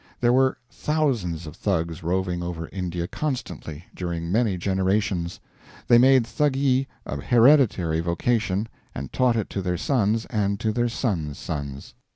There were thousands of Thugs roving over India constantly, during many generations. They made Thuggee a hereditary vocation and taught it to their sons and to their son's sons.